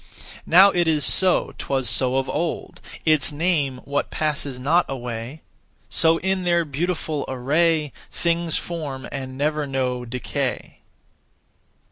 Now it is so; 'twas so of old. Its name what passes not away; So, in their beautiful array, Things form and never know decay.